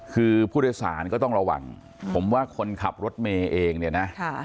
คือผู้โดยสารก็ต้องระวังผมว่าคนขับรถเมย์เองเนี่ยนะ